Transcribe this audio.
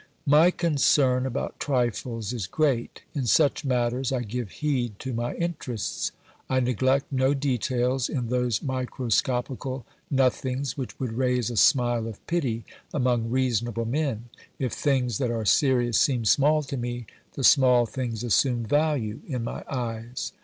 My concern about trifles is great; in such matters I give heed to my interests. I neglect no details in those microscopical nothings which would raise a smile of pity among reasonable men; if things that are serious seem small to me, the small things assume value in my eyes.